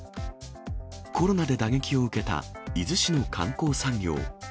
コロナで打撃を受けた伊豆市の観光産業。